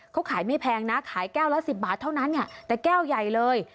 เขาขายไม่แพงนะขายแก้วละ๑๐บาทเท่านั้นแต่แก้วใหญ่เลย